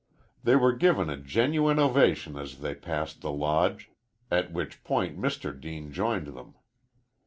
They were given a genuine ovation as they passed the Lodge, at which point Mr. Deane joined them.